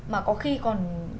mà có khi còn